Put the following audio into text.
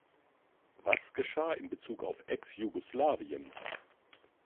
Was geschah in Bezug auf ex-Jugoslawien?